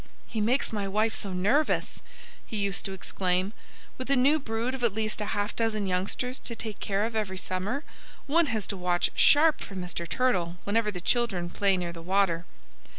"He makes my wife so nervous!" he used to exclaim. "With a new brood of at least a half dozen youngsters to take care of every summer one has to watch sharp for Mr. Turtle whenever the children play near the water."